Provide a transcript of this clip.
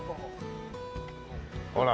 ほら。